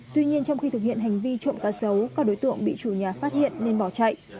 tuy nhiên trong khi thực hiện hành vi trộm cá sấu các đối tượng bị chủ nhà phát hiện nên bỏ chạy